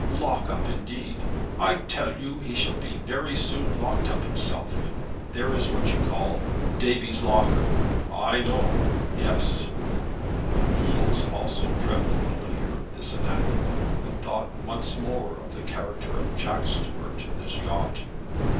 Lock up, indeed! I tell you he shall very soon be locked up himself. There is what you call Davy's locker. I know; yes." Doodles also trembled when he heard this anathema, and thought once more of the character of Jack Stuart and his yacht.